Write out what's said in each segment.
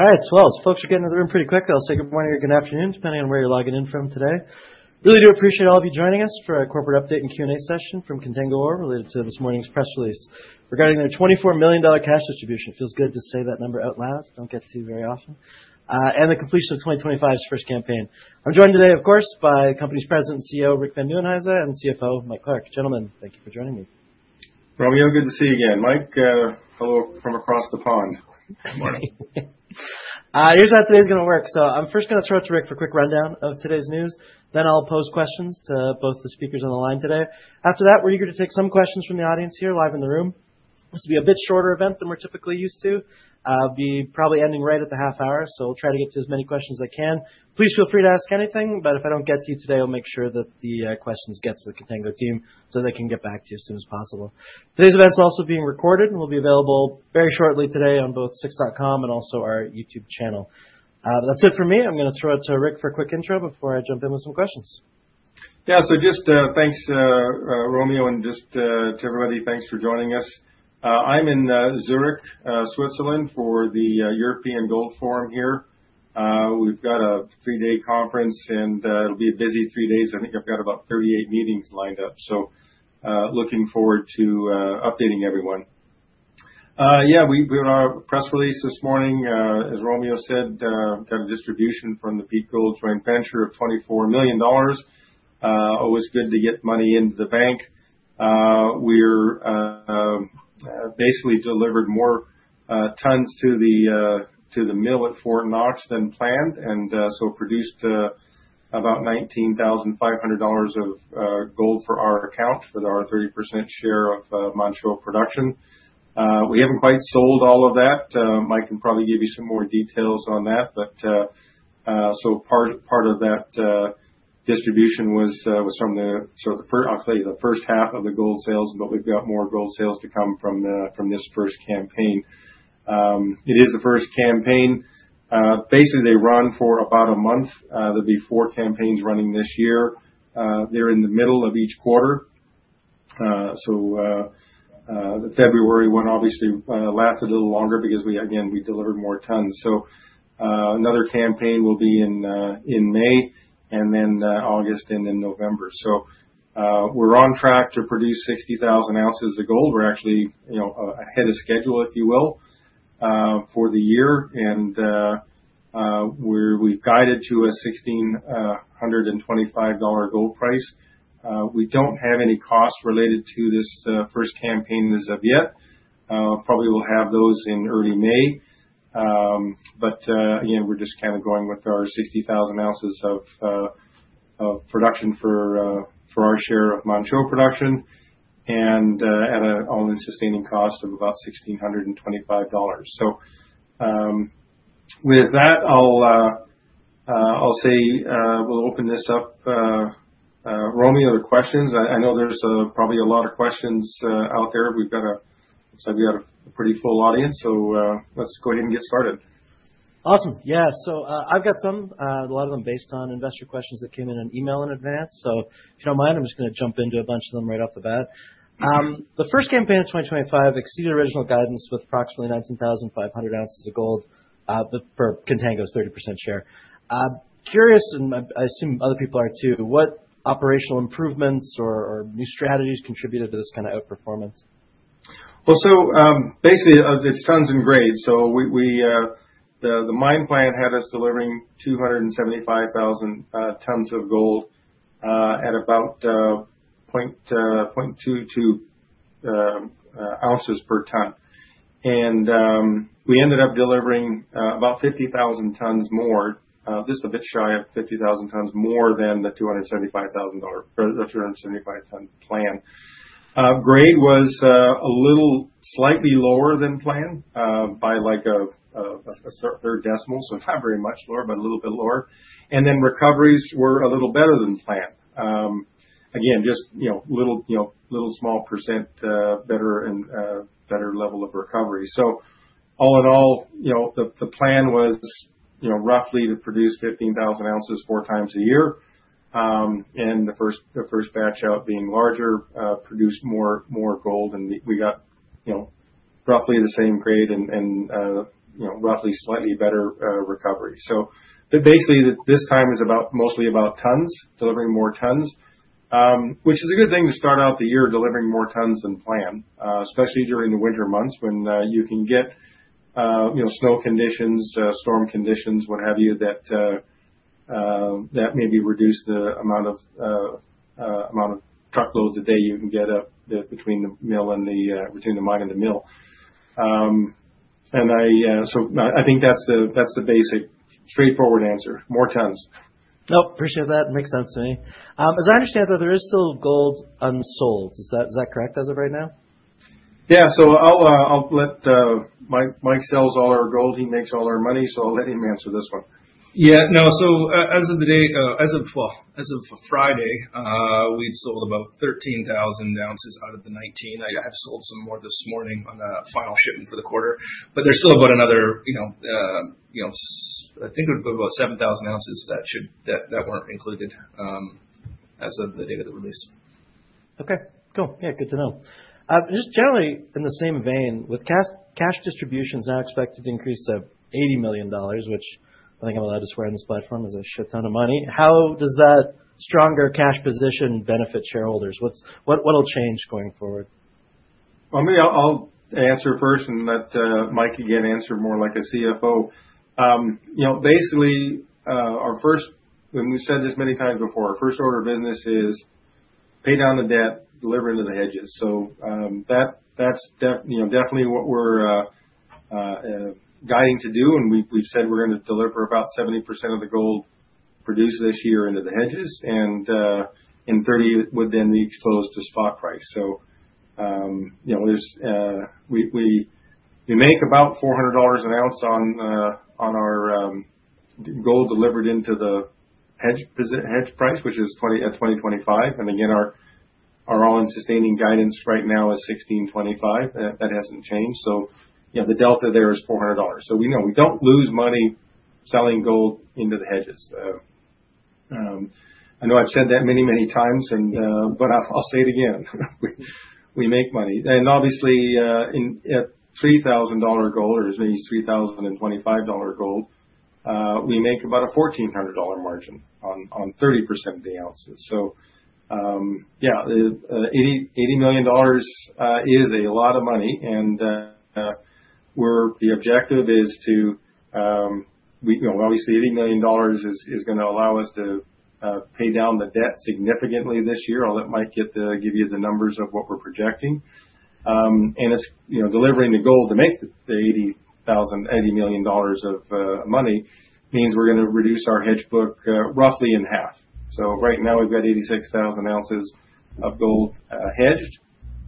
All right, as folks are getting to the room pretty quickly, I'll say good morning or good afternoon depending on where you're logging in from today. Really do appreciate all of you joining us for a corporate update and Q&A session from Contango ORE related to this morning's press release regarding their $24 million cash distribution. It feels good to say that number out loud. Don't get to very often. The completion of 2025's first campaign. I'm joined today, of course, by the company's President and CEO, Rick Van Nieuwenhuyse, and the CFO, Mike Clark. Gentlemen, thank you for joining me. Romeo, good to see you again. Mike, hello from across the pond. Good morning. Here's how today's going to work. I'm first going to throw it to Rick for a quick rundown of today's news. Then I'll pose questions to both the speakers on the line today. After that, we're eager to take some questions from the audience here live in the room. This will be a bit shorter event than we're typically used to. I'll be probably ending right at the half hour, so I'll try to get to as many questions as I can. Please feel free to ask anything, but if I don't get to you today, I'll make sure that the questions get to the Contango team so they can get back to you as soon as possible. Today's event's also being recorded and will be available very shortly today on both 6ix.com and also our YouTube channel. That's it for me. I'm going to throw it to Rick for a quick intro before I jump in with some questions. Yeah, so just thanks, Romeo, and just to everybody, thanks for joining us. I'm in Zürich, Switzerland, for the European Gold Forum here. We've got a three-day conference, and it'll be a busy three days. I think I've got about 38 meetings lined up, so looking forward to updating everyone. Yeah, we're in our press release this morning. As Romeo said, we've got a distribution from the Peak Gold Joint Venture of $24 million. Always good to get money into the bank. We've basically delivered more tons to the mill at Fort Knox than planned, and so produced about 19,500 oz of gold for our account for our 30% share of Manh Choh production. We haven't quite sold all of that. Mike can probably give you some more details on that. Part of that distribution was from the, I'll tell you, the first half of the gold sales, but we've got more gold sales to come from this first campaign. It is the first campaign. Basically, they run for about a month. There will be four campaigns running this year. They are in the middle of each quarter. The February one obviously lasted a little longer because, again, we delivered more tons. Another campaign will be in May and then August and then November. We are on track to produce 60,000 oz of gold. We are actually ahead of schedule, if you will, for the year. We have guided to a $1,625 gold price. We do not have any costs related to this first campaign as of yet. Probably we will have those in early May. Again, we're just kind of going with our 60,000 oz of production for our share of Manh Choh production and at an all-in sustaining cost of about $1,625. With that, I'll say we'll open this up. Romeo, the questions. I know there's probably a lot of questions out there. We've got a pretty full audience, so let's go ahead and get started. Awesome. Yeah, so I've got some, a lot of them based on investor questions that came in an email in advance. If you don't mind, I'm just going to jump into a bunch of them right off the bat. The first campaign of 2025 exceeded original guidance with approximately 19,500 oz of gold for Contango's 30% share. Curious, and I assume other people are too, what operational improvements or new strategies contributed to this kind of outperformance? Basically, it's tons and grades. The mine plan had us delivering 275,000 tons of gold at about 0.22 oz per ton. We ended up delivering about 50,000 tons more, just a bit shy of 50,000 tons more than the 275,000 tons plan. Grade was slightly lower than planned by like a third decimal, so not very much lower, but a little bit lower. Recoveries were a little better than planned, again, just a small percent better and better level of recovery. All in all, the plan was roughly to produce 15,000 oz 4x a year. The first batch out being larger produced more gold, and we got roughly the same grade and roughly slightly better recovery. Basically, this time is mostly about tons, delivering more tons, which is a good thing to start out the year delivering more tons than planned, especially during the winter months when you can get snow conditions, storm conditions, what have you, that maybe reduce the amount of truckloads a day you can get up between the mill and the between the mine and the mill. I think that's the basic straightforward answer, more tons. No, appreciate that. Makes sense to me. As I understand, though, there is still gold unsold. Is that correct as of right now? Yeah, so I'll let Mike sell all our gold. He makes all our money, so I'll let him answer this one. Yeah, no, as of the day, as of Friday, we'd sold about 13,000 oz out of the 19,000 oz. I have sold some more this morning on final shipping for the quarter, but there's still about another, I think it would be about 7,000 oz that weren't included as of the date of the release. Okay, cool. Yeah, good to know. Just generally in the same vein, with cash distributions now expected to increase to $80 million, which I think I'm allowed to swear on this platform is a shit ton of money. How does that stronger cash position benefit shareholders? What'll change going forward? I'll answer first and let Mike again answer more like a CFO. Basically, our first, and we've said this many times before, our first order of business is pay down the debt, deliver into the hedges. That's definitely what we're guiding to do. We've said we're going to deliver about 70% of the gold produced this year into the hedges and 30% would then be exposed to spot price. We make about $400/oz on our gold delivered into the hedge price, which is at $2,025. Our all-in sustaining guidance right now is $1,625. That hasn't changed. The delta there is $400. We don't lose money selling gold into the hedges. I know I've said that many, many times, but I'll say it again. We make money. Obviously, at $3,000 gold or as many as $3,025 gold, we make about a $1,400 margin on 30% of the ounces. $80 million is a lot of money. The objective is to, obviously, $80 million is going to allow us to pay down the debt significantly this year. I'll let Mike get to give you the numbers of what we're projecting. Delivering the gold to make the $80 million of money means we're going to reduce our hedge book roughly in half. Right now, we've got 86,000 oz of gold hedged.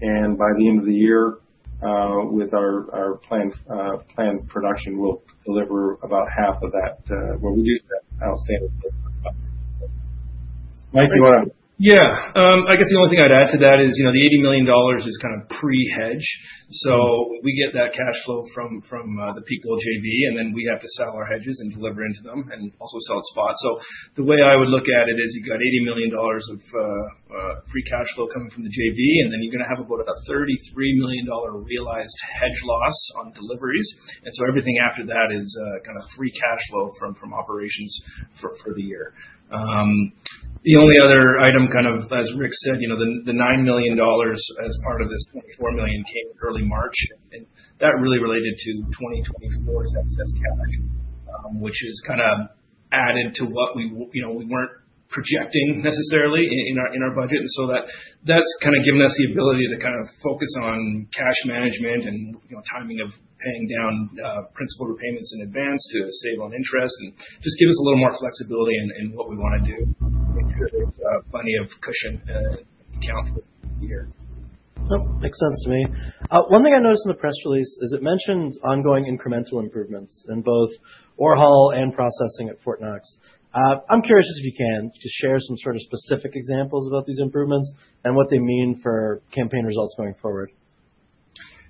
By the end of the year, with our planned production, we'll deliver about half of that. We'll reduce that outstanding hedge. Mike, you want to? Yeah, I guess the only thing I'd add to that is the $80 million is kind of pre-hedge. We get that cash flow from the Peak Gold JV, and then we have to sell our hedges and deliver into them and also sell at spot. The way I would look at it is you've got $80 million of free cash flow coming from the JV, and then you're going to have about a $33 million realized hedge loss on deliveries. Everything after that is kind of free cash flow from operations for the year. The only other item, kind of as Rick said, the $9 million as part of this $24 million came in early March. That really related to 2024's excess cash, which is kind of added to what we weren't projecting necessarily in our budget. That's kind of given us the ability to kind of focus on cash management and timing of paying down principal repayments in advance to save on interest and just give us a little more flexibility in what we want to do and make sure there's plenty of cushion accounts for the year. Yep, makes sense to me. One thing I noticed in the press release is it mentioned ongoing incremental improvements in both ore haul and processing at Fort Knox. I'm curious if you can just share some sort of specific examples about these improvements and what they mean for campaign results going forward.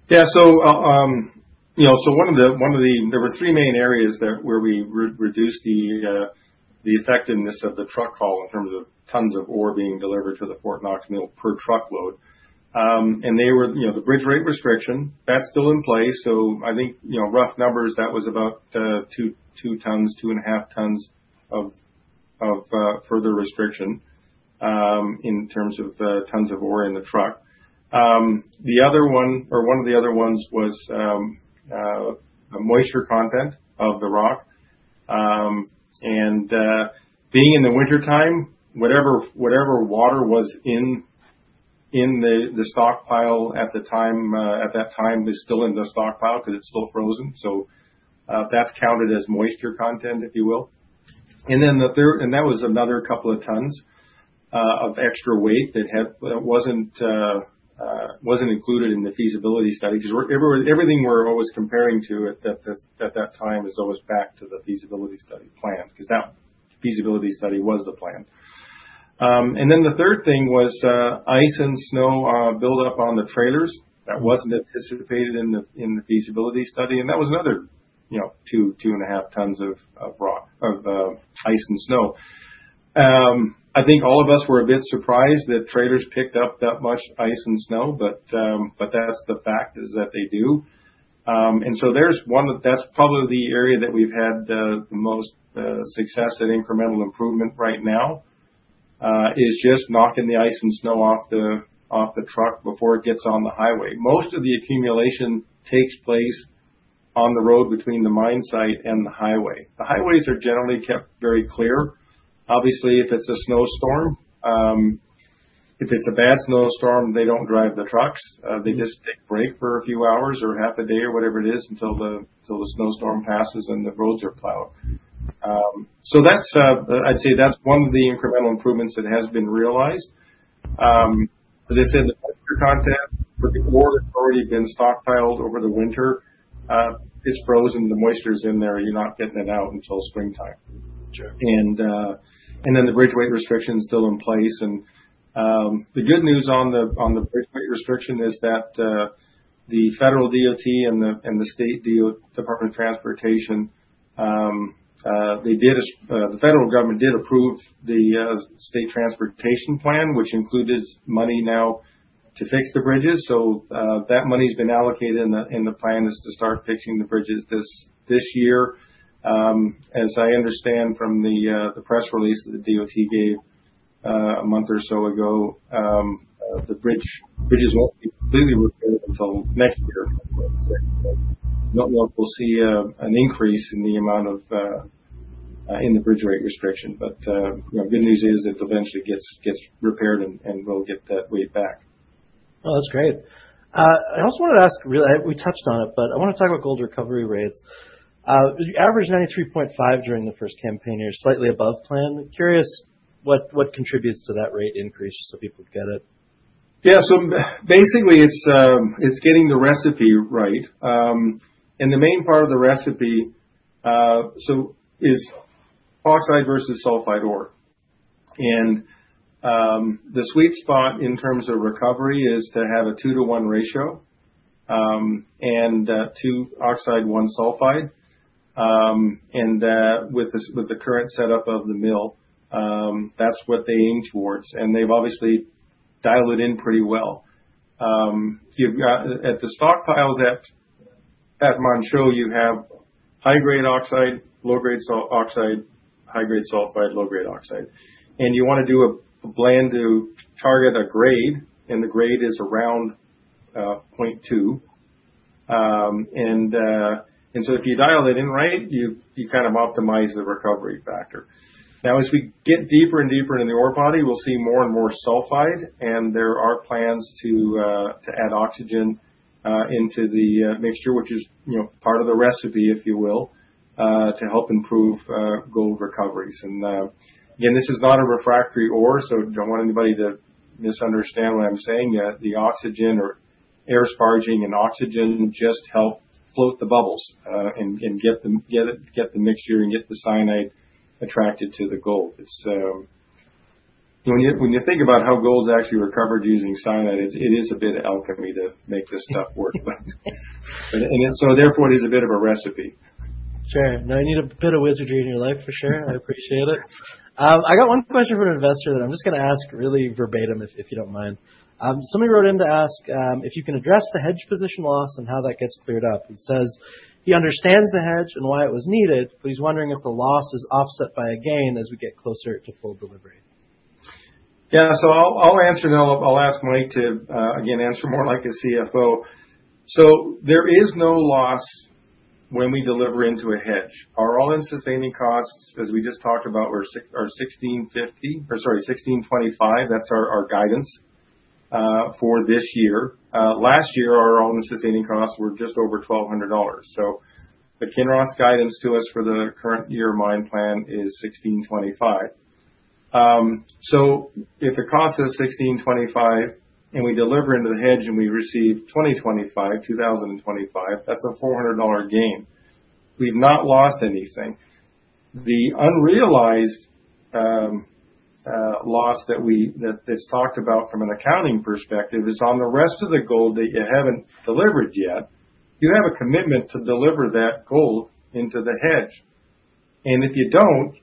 Yeah, so one of the, there were three main areas where we reduced the effectiveness of the truck haul in terms of tons of ore being delivered to the Fort Knox mill per truckload. They were the bridge weight restriction. That's still in place. I think rough numbers, that was about two tons, two and a half tons of further restriction in terms of tons of ore in the truck. The other one, or one of the other ones, was moisture content of the rock. Being in the wintertime, whatever water was in the stockpile at that time is still in the stockpile because it's still frozen. That's counted as moisture content, if you will. That was another couple of tons of extra weight that was not included in the feasibility study because everything we are always comparing to at that time is always back to the feasibility study plan because that feasibility study was the plan. The third thing was ice and snow buildup on the trailers. That was not anticipated in the feasibility study. That was another two to two and a half tons of ice and snow. I think all of us were a bit surprised that trailers picked up that much ice and snow, but the fact is that they do. That is probably the area that we have had the most success at incremental improvement right now, just knocking the ice and snow off the truck before it gets on the highway. Most of the accumulation takes place on the road between the mine site and the highway. The highways are generally kept very clear. Obviously, if it's a snowstorm, if it's a bad snowstorm, they don't drive the trucks. They just take a break for a few hours or half a day or whatever it is until the snowstorm passes and the roads are plowed. I'd say that's one of the incremental improvements that has been realized. As I said, the moisture content for the ore that's already been stockpiled over the winter, it's frozen. The moisture's in there. You're not getting it out until springtime. The bridge weight restriction is still in place. The good news on the bridge weight restriction is that the federal DOT and the state Department of Transportation, the federal government did approve the state transportation plan, which included money now to fix the bridges. That money has been allocated, and the plan is to start fixing the bridges this year. As I understand from the press release that the DOT gave a month or so ago, the bridges will not be completely repaired until next year. We will see an increase in the amount of in the bridge weight restriction. The good news is it eventually gets repaired and we will get that weight back. Oh, that's great. I also wanted to ask, we touched on it, but I want to talk about gold recovery rates. You averaged 93.5% during the first campaign year, slightly above plan. Curious what contributes to that rate increase so people get it. Yeah, basically, it's getting the recipe right. The main part of the recipe is oxide versus sulfide ore. The sweet spot in terms of recovery is to have a two-to-one ratio, two oxide, one sulfide. With the current setup of the mill, that's what they aim towards. They've obviously dialed it in pretty well. At the stockpiles at Manh Choh, you have high-grade oxide, low-grade oxide, high-grade sulfide, low-grade oxide. You want to do a blend to target a grade, and the grade is around 0.2. If you dial it in right, you kind of optimize the recovery factor. Now, as we get deeper and deeper into the ore body, we'll see more and more sulfide. There are plans to add oxygen into the mixture, which is part of the recipe, if you will, to help improve gold recoveries. This is not a refractory ore, so I do not want anybody to misunderstand what I am saying. The oxygen or air sparging and oxygen just help float the bubbles and get the mixture and get the cyanide attracted to the gold. When you think about how gold is actually recovered using cyanide, it is a bit of alchemy to make this stuff work. Therefore, it is a bit of a recipe. Sure. Now, you need a bit of wizardry in your life, for sure. I appreciate it. I got one question from an investor that I'm just going to ask really verbatim, if you don't mind. Somebody wrote in to ask if you can address the hedge position loss and how that gets cleared up. He says he understands the hedge and why it was needed, but he's wondering if the loss is offset by a gain as we get closer to full delivery. Yeah, so I'll answer that. I'll ask Mike to, again, answer more like a CFO. There is no loss when we deliver into a hedge. Our all-in sustaining costs, as we just talked about, are $1,650 or sorry, $1,625. That's our guidance for this year. Last year, our all-in sustaining costs were just over $1,200. The Kinross guidance to us for the current year mine plan is $1,625. If it costs us $1,625 and we deliver into the hedge and we receive $2,025, $2,025, that's a $400 gain. We've not lost anything. The unrealized loss that's talked about from an accounting perspective is on the rest of the gold that you haven't delivered yet. You have a commitment to deliver that gold into the hedge. If you don't,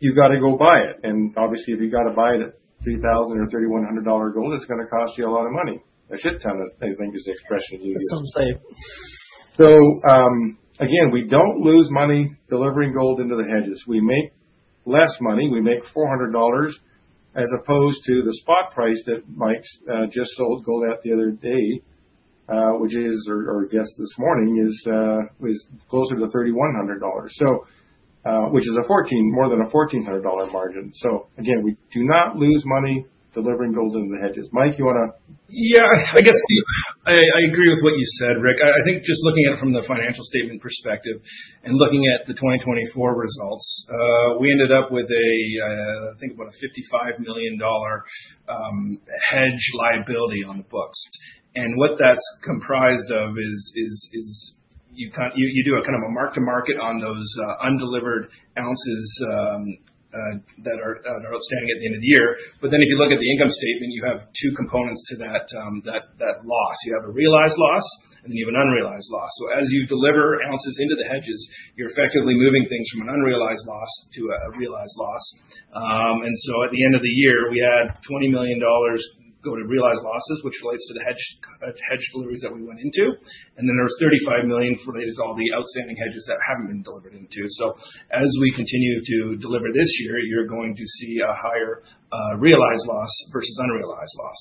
you've got to go buy it. Obviously, if you've got to buy it at $3,000 or $3,100 gold, it's going to cost you a lot of money. A shit ton, I think is the expression you use. That sounds safe. Again, we do not lose money delivering gold into the hedges. We make less money. We make $400 as opposed to the spot price that Mike just sold gold at the other day, which is, or I guess this morning, is closer to $3,100, which is more than a $1,400 margin. Again, we do not lose money delivering gold into the hedges. Mike, you want to? Yeah, I guess I agree with what you said, Rick. I think just looking at it from the financial statement perspective and looking at the 2024 results, we ended up with, I think, about a $55 million hedge liability on the books. What that's comprised of is you do a kind of a mark-to-market on those undelivered ounces that are outstanding at the end of the year. If you look at the income statement, you have two components to that loss. You have a realized loss, and you have an unrealized loss. As you deliver oz into the hedges, you're effectively moving things from an unrealized loss to a realized loss. At the end of the year, we had $20 million go-to realized losses, which relates to the hedge deliveries that we went into. There was $35 million related to all the outstanding hedges that have not been delivered into. As we continue to deliver this year, you are going to see a higher realized loss versus unrealized loss.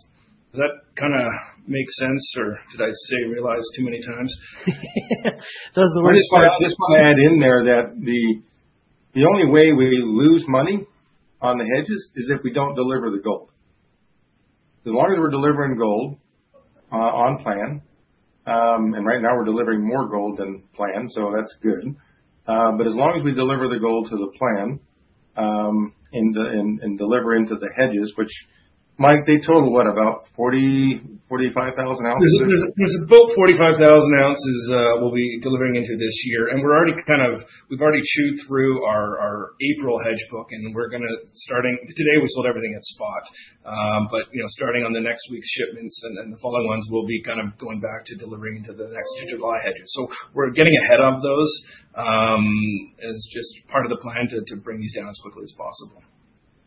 Does that kind of make sense, or did I say realized too many times? That was the word you said. I just want to add in there that the only way we lose money on the hedges is if we do not deliver the gold. As long as we are delivering gold on plan, and right now we are delivering more gold than planned, so that is good. As long as we deliver the gold to the plan and deliver into the hedges, which Mike, they total what, about 40,000 oz-45,000 oz? There's about 45,000 oz we'll be delivering into this year. We're already kind of, we've already chewed through our April hedge book, and starting today, we sold everything at spot. Starting on next week's shipments and the following ones, we'll be kind of going back to delivering into the next July hedges. We're getting ahead of those. It's just part of the plan to bring these down as quickly as possible.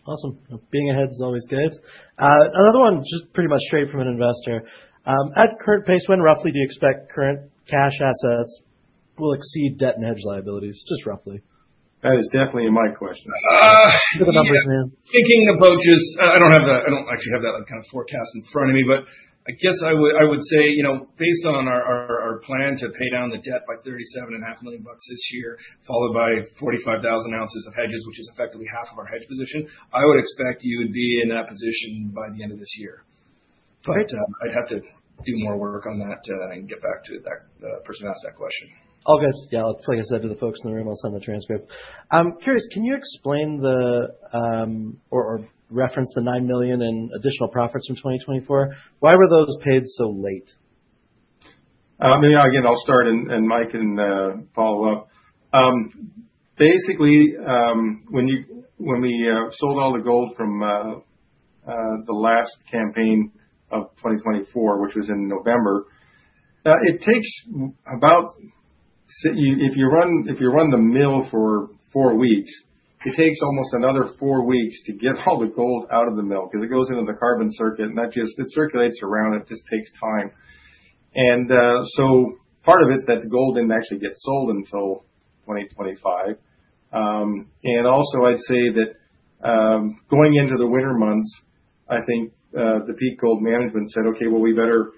Awesome. Being ahead is always good. Another one, just pretty much straight from an investor. At current pace, when roughly do you expect current cash assets will exceed debt and hedge liabilities, just roughly? That is definitely a Mike question. Look at the numbers, man. Thinking about just, I don't actually have that kind of forecast in front of me, but I guess I would say, based on our plan to pay down the debt by $37.5 million this year, followed by 45,000 oz of hedges, which is effectively half of our hedge position, I would expect you would be in that position by the end of this year. I would have to do more work on that and get back to that person who asked that question. All good. Yeah, like I said to the folks in the room, I'll send the transcript. I'm curious, can you explain the or reference the $9 million in additional profits from 2024? Why were those paid so late? I mean, again, I'll start and Mike can follow up. Basically, when we sold all the gold from the last campaign of 2024, which was in November, it takes about, if you run the mill for four weeks, it takes almost another four weeks to get all the gold out of the mill because it goes into the carbon circuit and that just, it circulates around. It just takes time. Part of it is that the gold didn't actually get sold until 2025. Also, I'd say that going into the winter months, I think the Peak Gold management said, "Okay, we better,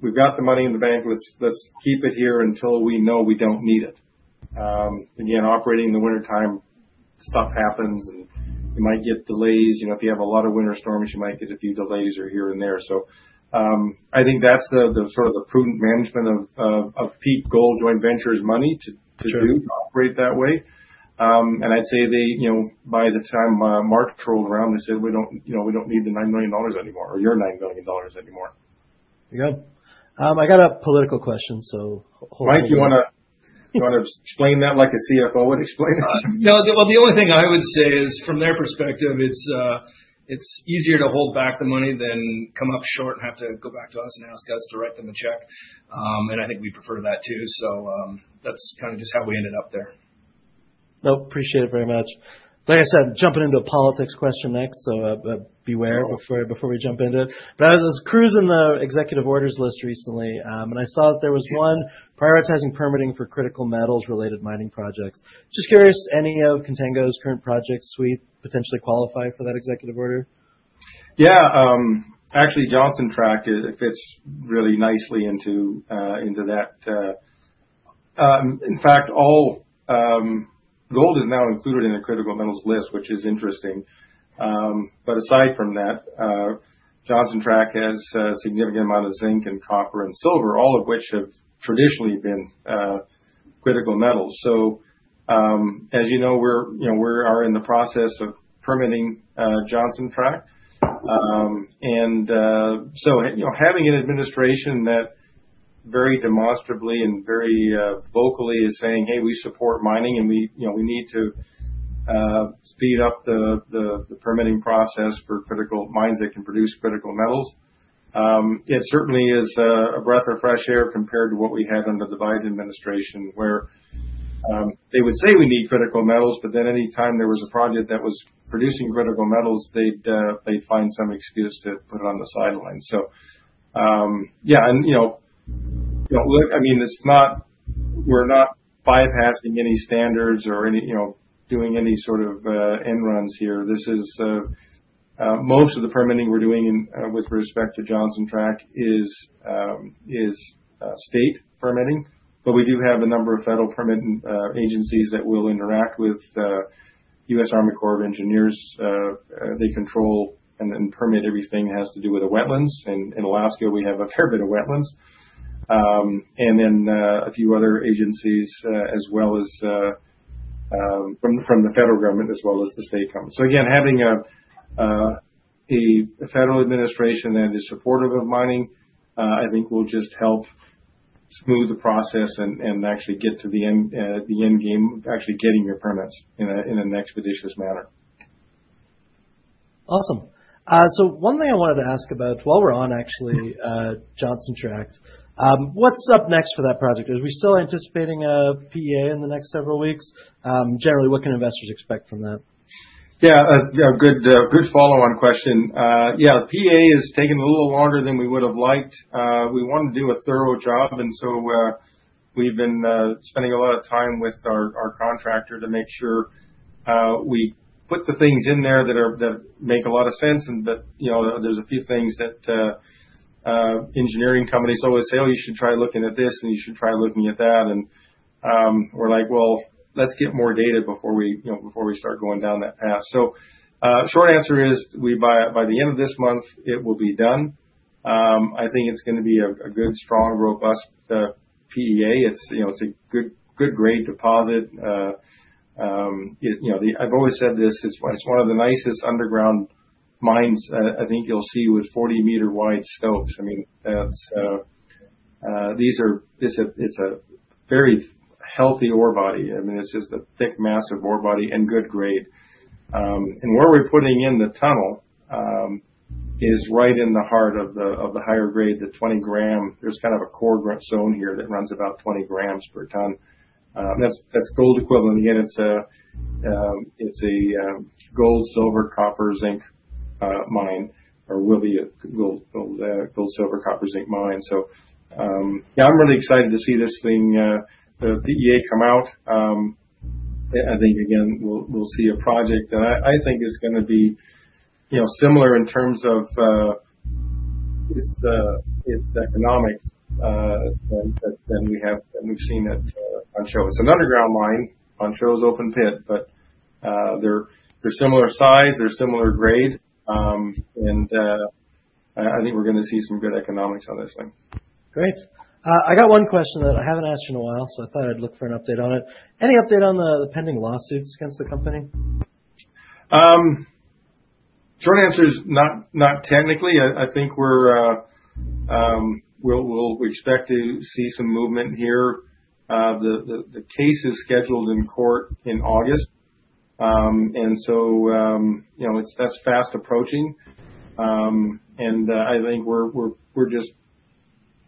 we've got the money in the bank. Let's keep it here until we know we don't need it." Again, operating in the wintertime, stuff happens and you might get delays. If you have a lot of winter storms, you might get a few delays here and there. I think that's the sort of the prudent management of Peak Gold Joint Venture's money to do to operate that way. I'd say by the time March rolled around, they said, "We don't need the $9 million anymore or your $9 million anymore. There you go. I got a political question, so hold on. Mike, you want to explain that like a CFO would explain it? No, the only thing I would say is from their perspective, it's easier to hold back the money than come up short and have to go back to us and ask us to write them a check. I think we prefer that too. That's kind of just how we ended up there. No, appreciate it very much. Like I said, I'm jumping into a politics question next, so beware before we jump into it. I was cruising the Executive Orders list recently, and I saw that there was one prioritizing permitting for critical metals related mining projects. Just curious, any of Contango's current projects suite potentially qualify for that Executive Order? Yeah, actually, Johnson Tract fits really nicely into that. In fact, all gold is now included in the critical metals list, which is interesting. Aside from that, Johnson Tract has a significant amount of zinc and copper and silver, all of which have traditionally been critical metals. As you know, we are in the process of permitting Johnson Tract. Having an administration that very demonstrably and very vocally is saying, "Hey, we support mining and we need to speed up the permitting process for critical mines that can produce critical metals," it certainly is a breath of fresh air compared to what we had under the Biden administration, where they would say we need critical metals, but then anytime there was a project that was producing critical metals, they'd find some excuse to put it on the sidelines. Yeah, and look, I mean, we're not bypassing any standards or doing any sort of end runs here. Most of the permitting we're doing with respect to Johnson Tract is state permitting, but we do have a number of federal permitting agencies that will interact with U.S. Army Corps of Engineers. They control and permit everything that has to do with the wetlands. In Alaska, we have a fair bit of wetlands. And then a few other agencies, as well as from the federal government, as well as the state government. Again, having a federal administration that is supportive of mining, I think will just help smooth the process and actually get to the end game, actually getting your permits in an expeditious manner. Awesome. One thing I wanted to ask about while we're on actually Johnson Tract, what's up next for that project? Are we still anticipating a PA in the next several weeks? Generally, what can investors expect from that? Yeah, a good follow-on question. Yeah, the PA has taken a little longer than we would have liked. We wanted to do a thorough job, and so we've been spending a lot of time with our contractor to make sure we put the things in there that make a lot of sense. There's a few things that engineering companies always say, "Oh, you should try looking at this and you should try looking at that." We're like, "Well, let's get more data before we start going down that path." Short answer is by the end of this month, it will be done. I think it's going to be a good, strong, robust PA. It's a good grade deposit. I've always said this. It's one of the nicest underground mines I think you'll see with 40-meter-wide stopes. I mean, these are, it's a very healthy ore body. I mean, it's just a thick, massive ore body and good grade. Where we're putting in the tunnel is right in the heart of the higher grade, the 20 g. There's kind of a core zone here that runs about 20 g/t. That's gold equivalent. Again, it's a gold, silver, copper, zinc mine, or will be a gold, silver, copper, zinc mine. Yeah, I'm really excited to see this thing, the PA come out. I think, again, we'll see a project that I think is going to be similar in terms of its economic than we've seen at Manh Choh. It's an underground mine and Manh Choh is open pit, but they're similar size, they're similar grade, and I think we're going to see some good economics on this thing. Great. I got one question that I haven't asked you in a while, so I thought I'd look for an update on it. Any update on the pending lawsuits against the company? Short answer is not technically. I think we'll expect to see some movement here. The case is scheduled in court in August. That is fast approaching. I think we're just,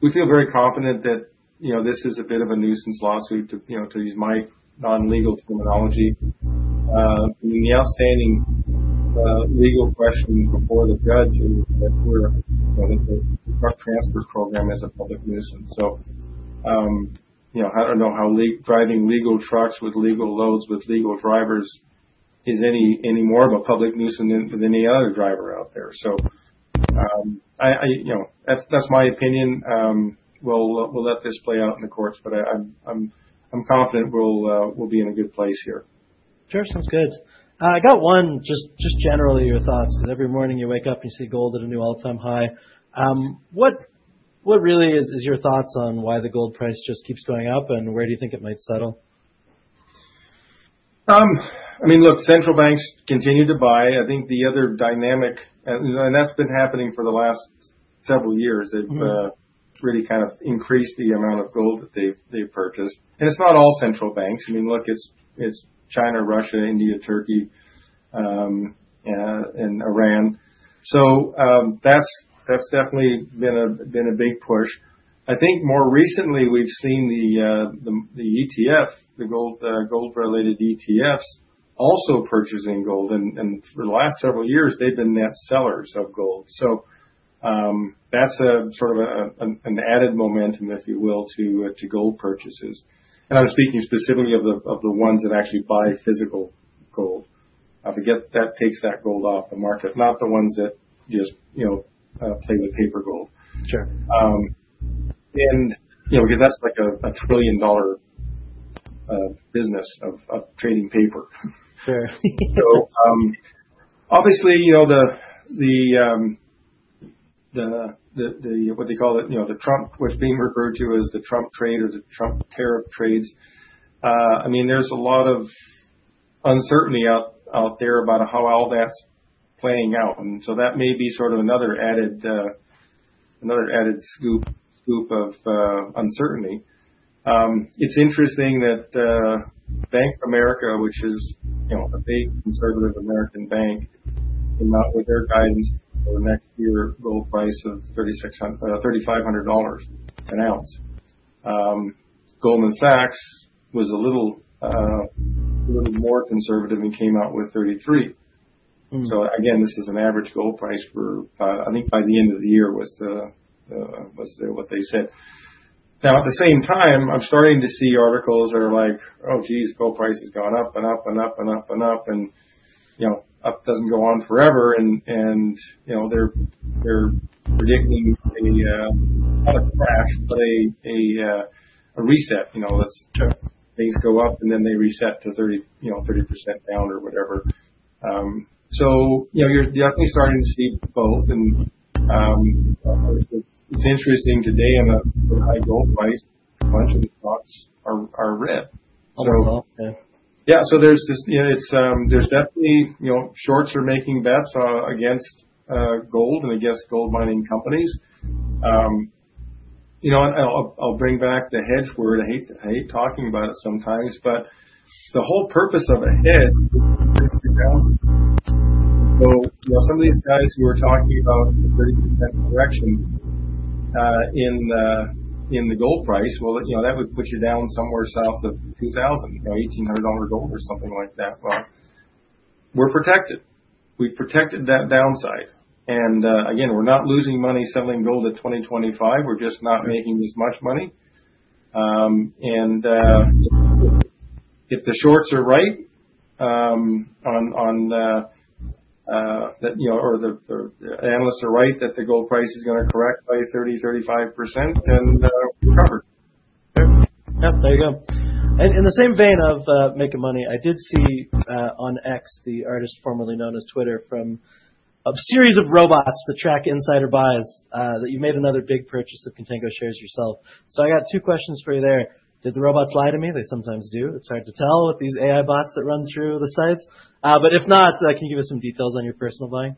we feel very confident that this is a bit of a nuisance lawsuit, to use my non-legal terminology. I mean, the outstanding legal question before the judge is that we're a truck transfer program as a public nuisance. I don't know how driving legal trucks with legal loads with legal drivers is any more of a public nuisance than any other driver out there. That is my opinion. We'll let this play out in the courts, but I'm confident we'll be in a good place here. Sure, sounds good. I got one, just generally your thoughts, because every morning you wake up and you see gold at a new all-time high. What really is your thoughts on why the gold price just keeps going up and where do you think it might settle? I mean, look, central banks continue to buy. I think the other dynamic, and that's been happening for the last several years, they've really kind of increased the amount of gold that they've purchased. It's not all central banks. I mean, look, it's China, Russia, India, Turkey, and Iran. That's definitely been a big push. I think more recently we've seen the ETF, the gold-related ETFs, also purchasing gold. For the last several years, they've been net sellers of gold. That's sort of an added momentum, if you will, to gold purchases. I'm speaking specifically of the ones that actually buy physical gold. I forget that takes that gold off the market, not the ones that just play with paper gold. That's like a trillion-dollar business of trading paper. Obviously, what they call it, the Trump, what's being referred to as the Trump trade or the Trump tariff trades. I mean, there's a lot of uncertainty out there about how all that's playing out. That may be sort of another added scoop of uncertainty. It's interesting that Bank of America, which is a big conservative American bank, came out with their guidance for next year's gold price of $3,500/oz. Goldman Sachs was a little more conservative and came out with $3,300. Again, this is an average gold price for, I think by the end of the year was what they said. At the same time, I'm starting to see articles that are like, "Oh geez, gold price has gone up and up and up and up and up," and up doesn't go on forever. They are predicting not a crash, but a reset. Things go up and then they reset to 30% down or whatever. You are definitely starting to see both. It is interesting today on a high gold price, a bunch of the stocks are red. Oh, that's all. Yeah. There are definitely shorts making bets against gold and against gold mining companies. I'll bring back the hedge word. I hate talking about it sometimes, but the whole purpose of a hedge is to bring you down. Some of these guys who are talking about the 30% correction in the gold price, that would put you down somewhere south of $2,000, $1,800 gold or something like that. We are protected. We have protected that downside. Again, we are not losing money selling gold in 2025. We are just not making as much money. If the shorts are right on that or the analysts are right that the gold price is going to correct by 30%-35%, then we are covered. Yeah, there you go. In the same vein of making money, I did see on X, the artist formerly known as Twitter, from a series of robots to track insider buys that you made another big purchase of Contango shares yourself. I got two questions for you there. Did the robots lie to me? They sometimes do. It's hard to tell with these AI bots that run through the sites. If not, can you give us some details on your personal buying?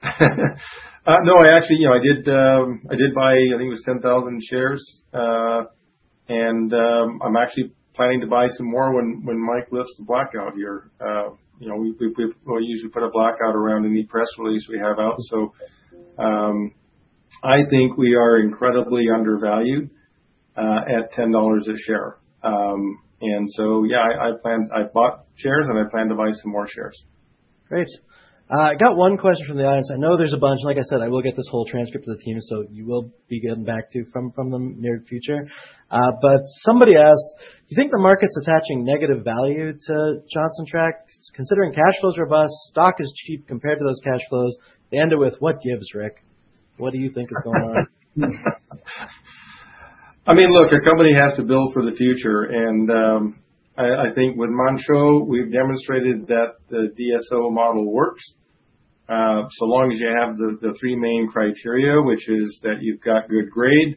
No, I actually, I did buy, I think it was 10,000 shares. I am actually planning to buy some more when Mike lifts the blackout here. We usually put a blackout around any press release we have out. I think we are incredibly undervalued at $10 a share. Yeah, I bought shares and I plan to buy some more shares. Great. I got one question from the audience. I know there's a bunch. Like I said, I will get this whole transcript to the team, so you will be getting back to from them near future. Somebody asked, "Do you think the market's attaching negative value to Johnson Tract? Considering cash flows are robust, stock is cheap compared to those cash flows." They ended with, "What gives, Rick? What do you think is going on? I mean, look, a company has to build for the future. I think with Manh Choh, we've demonstrated that the DSO model works. So long as you have the three main criteria, which is that you've got good grade,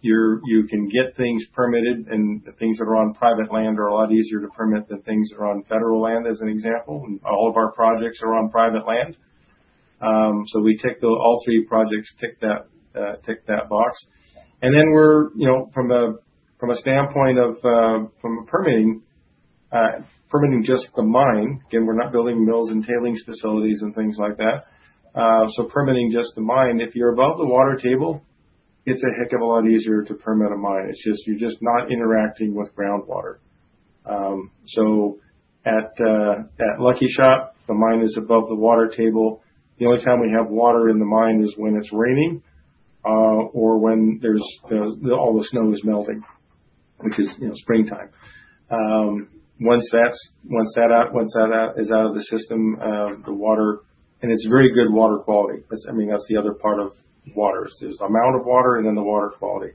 you can get things permitted. Things that are on private land are a lot easier to permit than things that are on federal land, as an example. All of our projects are on private land. We tick all three projects, tick that box. From a standpoint of permitting, permitting just the mine. Again, we're not building mills and tailings facilities and things like that. Permitting just the mine, if you're above the water table, it's a heck of a lot easier to permit a mine. You're just not interacting with groundwater. At Lucky Shot, the mine is above the water table. The only time we have water in the mine is when it's raining or when all the snow is melting, which is springtime. Once that is out of the system, the water, and it's very good water quality. I mean, that's the other part of water. There's the amount of water and then the water quality.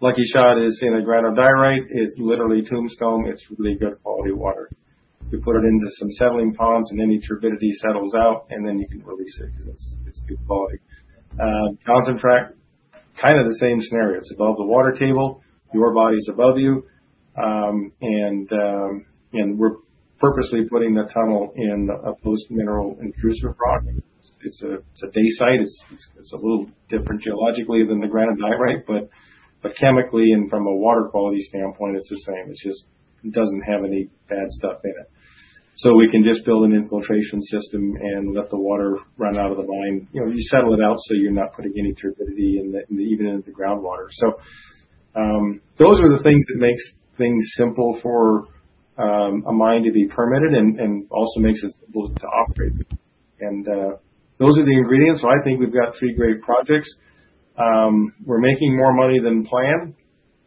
Lucky Shot is in a granodiorite. It's literally Tombstone. It's really good quality water. You put it into some settling ponds and any turbidity settles out, and then you can release it because it's good quality. Johnson Tract, kind of the same scenario. It's above the water table. Your body's above you. And we're purposely putting the tunnel in a post-mineral intrusive rock. It's a dacite. It's a little different geologically than the granodiorite. But chemically and from a water quality standpoint, it's the same. It just doesn't have any bad stuff in it. We can just build an infiltration system and let the water run out of the mine. You settle it out so you're not putting any turbidity even into the groundwater. Those are the things that make things simple for a mine to be permitted and also make it simple to operate. Those are the ingredients. I think we've got three great projects. We're making more money than planned.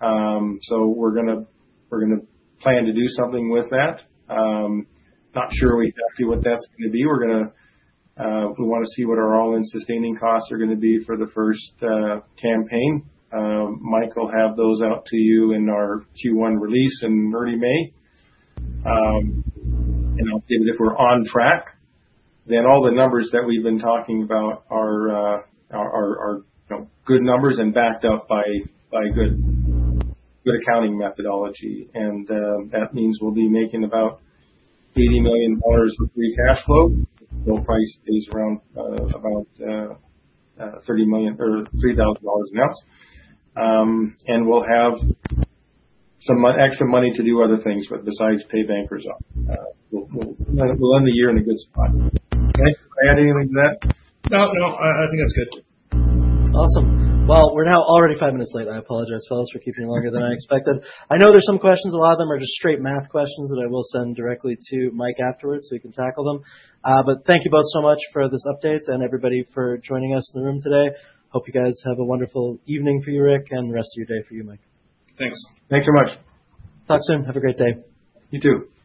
We're going to plan to do something with that. Not sure exactly what that's going to be. We want to see what our all-in sustaining costs are going to be for the first campaign. Mike will have those out to you in our Q1 release in early May. I'll see if we're on track. All the numbers that we've been talking about are good numbers and backed up by good accounting methodology. That means we'll be making about $80 million of free cash flow if the gold price stays around about $3,000/oz. We'll have some extra money to do other things besides pay bankers up. We'll end the year in a good spot. Okay. Did I add anything to that? No, no. I think that's good. Awesome. We are now already five minutes late. I apologize, fellows, for keeping you longer than I expected. I know there are some questions. A lot of them are just straight math questions that I will send directly to Mike afterwards so he can tackle them. Thank you both so much for this update and everybody for joining us in the room today. Hope you guys have a wonderful evening for you, Rick, and the rest of your day for you, Mike. Thanks. Thank you very much. Talk soon. Have a great day. You too.